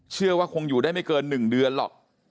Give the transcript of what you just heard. เชื่อว่าคงอยู่ได้ไม่เกิน๑เดือนหรอก